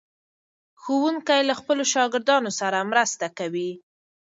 ښوونکی له خپلو شاګردانو سره مرسته کوي.